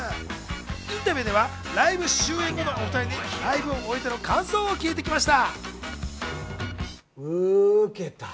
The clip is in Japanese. インタビューではライブ終演後のお２人に、ライブを終えての感想を聞いてきました。